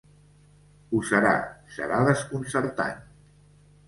Ho serà. Serà desconcertant.